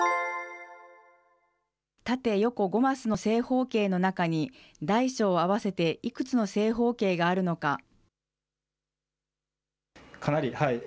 縦横５マスの正方形の中に大小合わせていくつの正方形があるのか。